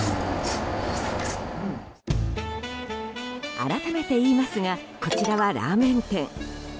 改めて言いますがこちらはラーメン店。